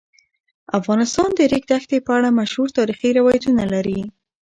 افغانستان د د ریګ دښتې په اړه مشهور تاریخی روایتونه لري.